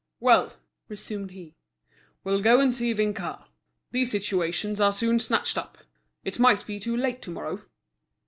"Well!" resumed he, "we'll go and see Vinçard. These situations are soon snatched up; it might be too late tomorrow."